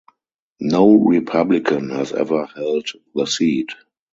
No Republican has ever held the seat.